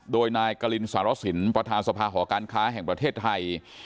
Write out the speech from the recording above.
โดยนายกรินสารสินประธานสภาหอการค้าแห่งประเทศไทย